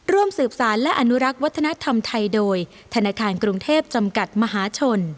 ร่วมสืบสารและอนุรักษ์วัฒนธรรมไทยโดยธนาคารกรุงเทพจำกัดมหาชน